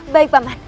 baik pak man